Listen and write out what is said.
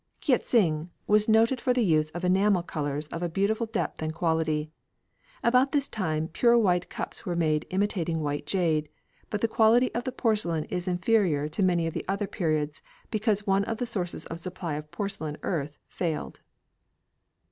Kea tsing was noted for the use of enamel colours of a beautiful depth and quality. About this time pure white cups were made imitating white jade, but the quality of the porcelain is inferior to many of the other periods because one of the sources of supply of porcelain earth failed.